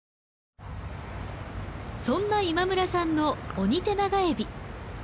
そんな今村さんのオニテナガエビ。